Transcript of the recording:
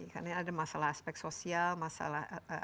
karena ada masalah aspek sosial masalah ekonomi belum politik